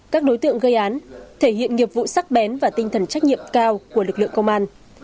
các đối tượng gây án thể hiện nghiệp vụ sắc bén và tinh thần trách nhiệm cao của lực lượng công an